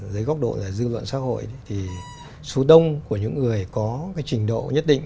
dưới góc độ là dư luận xã hội thì số đông của những người có cái trình độ nhất định